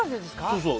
そうそう。